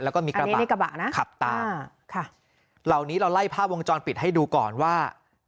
แล้วก็มีกระบะขับต่างแล้วนี้เราไล่ภาพวงจรปิดให้ดูก่อนว่า